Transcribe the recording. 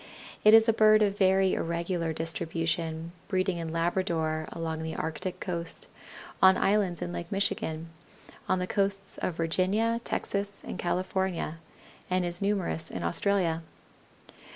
It is a bird of very irregular distribution, breeding in Labrador, along the Arctic coast, on islands in Lake Michigan, on the coasts of Virginia, Texas, and California, and is numerous in Australia.